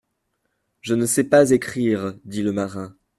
Je ne sais pas écrire, dit le marin.